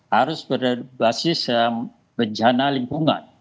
harus berbasis bencana lingkungan